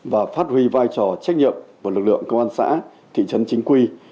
và phát huy vai trò trách nhiệm của lực lượng công an xã thị trấn chính quy